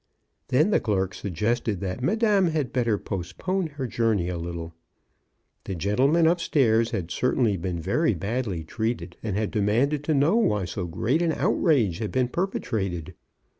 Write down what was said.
Then the clerk suggested that madame had better postpone her journey a lit tle. The gentleman up stairs had certainly been very badly treated, and had demanded to know why so great an outrage had been perpetrated.